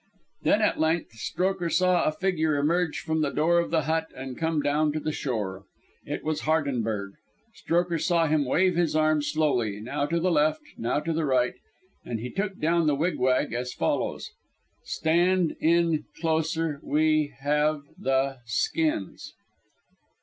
Then at length Strokher saw a figure emerge from the door of the hut and come down to the shore. It was Hardenberg. Strokher saw him wave his arm slowly, now to the left, now to the right, and he took down the wig wag as follows: "Stand in closer we have the skins."